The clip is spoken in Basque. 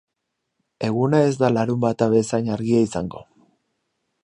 Eguna ez da larunbata bezain argia izango.